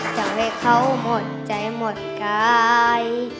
ทำให้เขาหมดใจหมดกาย